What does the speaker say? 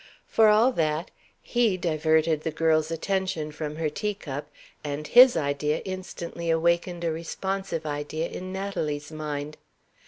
For all that, he diverted the girl's attention from her tea cup; and his idea instantly awakened a responsive idea in Natalie's mind.